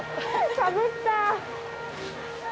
かぶった！